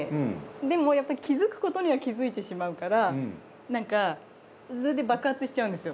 でもやっぱり気づくことには気づいてしまうからなんかそれで爆発しちゃうんですよ。